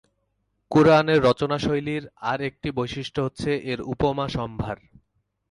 কুরআনের রচনাশৈলীর আর একটি বৈশিষ্ট্য হচ্ছে এর উপমাসম্ভার।